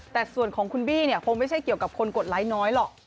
แต่ส่วนของคุณบี้เนี่ยคงไม่ใช่เกี่ยวกับคนกดไลค์น้อยหรอก